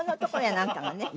なんかね。